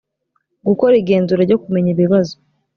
gukora igenzura ryo kumenya ibibazo